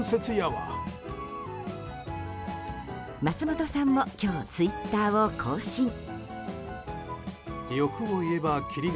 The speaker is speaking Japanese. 松本さんも今日ツイッターを更新。